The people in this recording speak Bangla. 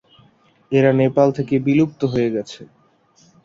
এরা নেপাল থেকে বিলুপ্ত হয়ে গেছে।